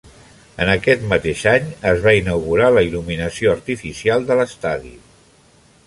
En aquest mateix any, es va inaugurar la il·luminació artificial de l'estadi.